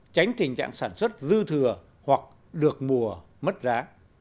tránh tình trạng sản xuất dư thừa hoặc được mùa mất giá